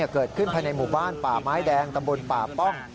เกิดขึ้นภายในหมู่บ้านป่าไม้แดงตำบลป่าป้อง